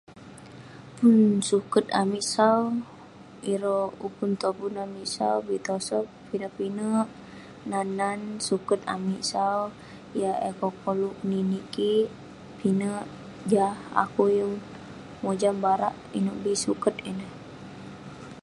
Pun suket amik sau, ireh ukun amik sau bi tosog pinek pinek nan nan suket amik sau yah eh koluk koluk keninik kik. Pinek, jah akouk yeng mojam barak inouk bi suket ineh.